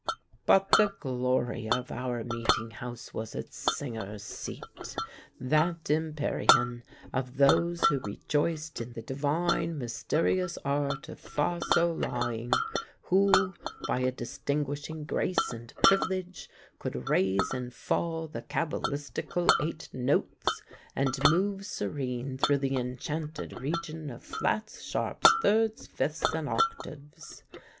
But the glory of our meeting house was its singers' seat that empyrean of those who rejoiced in the divine, mysterious art of fa sol la ing, who, by a distinguishing grace and privilege, could "raise and fall" the cabalistical eight notes, and move serene through the enchanted region of flats, sharps, thirds, fifths, and octaves.